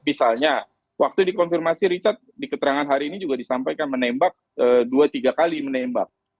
misalnya waktu dikonfirmasi richard di keterangan hari ini juga disampaikan menembak dua tiga kali menembak